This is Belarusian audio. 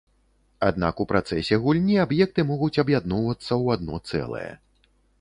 Аднак у працэсе гульні аб'екты могуць аб'ядноўвацца ў адно цэлае.